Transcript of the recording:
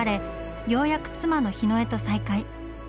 ようやく妻のヒノエと再会。